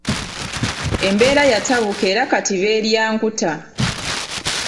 Embeera yatabuka era kati beerya nkuta.